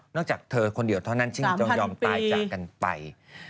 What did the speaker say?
จากเธอคนเดียวเท่านั้นจึงต้องยอมตายจากกันไป